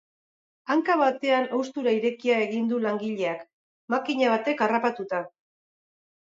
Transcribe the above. Hanka batean haustura irekia egin du langileak, makina batek harrapatuta.